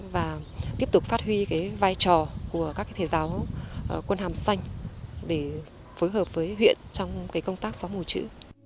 và tiếp tục phát huy vai trò của các thầy giáo quân hàm xanh để phối hợp với huyện trong công tác xóa mù chữ